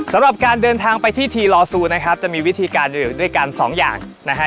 สำหรับการเดินทางไปที่ทีลอซูนะครับจะมีวิธีการอยู่ด้วยกันสองอย่างนะฮะ